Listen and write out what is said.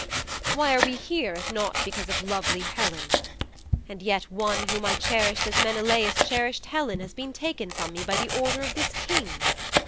Why are we here if not because of lovely Helen? And yet one whom I cherished as Menelaus cherished Helen has been taken from me by order of this King!